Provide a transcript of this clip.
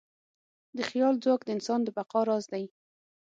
د خیال ځواک د انسان د بقا راز دی.